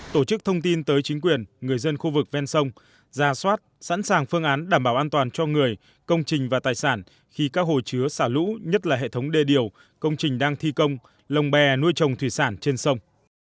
tổ chức thông tin tới chính quyền người dân khu vực ven sông ra soát sẵn sàng phương án đảm bảo an toàn cho người công trình và tài sản khi các hồ chứa xả lũ nhất là hệ thống đê điều công trình đang thi công lồng bè nuôi trồng thủy sản trên sông